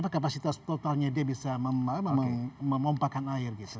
kapasitas totalnya dia bisa memompakan air gitu